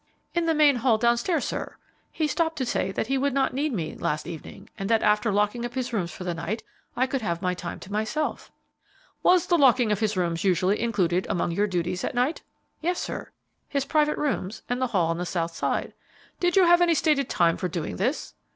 "In the main hall down stairs, sir. He stopped me to say that he would not need me last evening, and that after locking up his rooms for the night I could have my time to myself." "Was the locking of his rooms usually included among your duties at night?" "Yes, sir; his private rooms and the hall on the south side." "Did you have any stated time for doing this?"